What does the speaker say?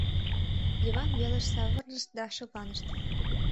Йыван велыш савырнышт да шыпланышт.